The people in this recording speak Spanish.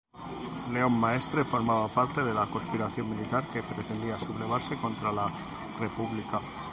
León Maestre formaba parte de la conspiración militar que pretendía sublevarse contra la República.